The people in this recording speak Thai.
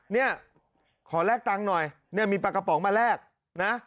เนี่ยขอแลกตังค์หน่อยเนี่ยมีปลากระป๋องมาแลกนะ